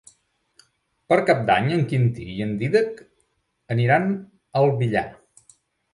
Per Cap d'Any en Quintí i en Dídac aniran al Villar.